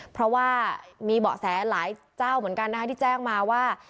เพราะว่ามีเบาะแสหลายเจ้าเหมือนกันนะคะที่แจ้งมาว่า